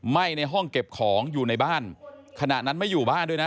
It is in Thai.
ไหม้ในห้องเก็บของอยู่ในบ้านขณะนั้นไม่อยู่บ้านด้วยนะ